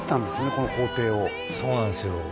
この工程をそうなんですよ